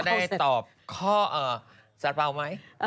ก็ได้ตอบข้อซื้อเภาไหม